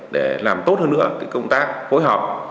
để làm tốt hơn nữa công tác phối hợp